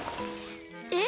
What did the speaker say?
えっ？